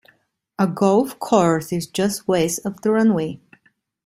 A golf course is just west of the runway.